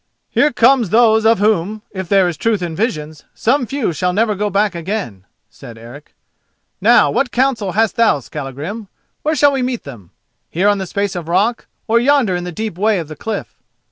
"Here come those of whom, if there is truth in visions, some few shall never go back again," said Eric. "Now, what counsel hast thou, Skallagrim? Where shall we meet them? Here on the space of rock, or yonder in the deep way of the cliff?"